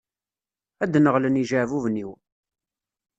Ad d-neɣlen yijeɛbuben-iw.